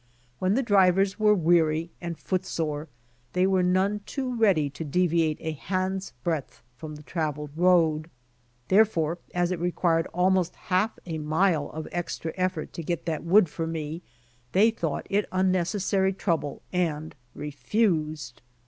When the drivers were weary and foot sore, they were none too ready to deviate a hand's breadth from the traveled road. Therefore, as it required almost half a mile of extra effort to get that wood for me, they thought it unnecessary trouble and refused.